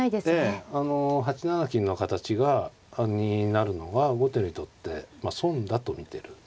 ええあの８七金の形になるのが後手にとって損だと見てる。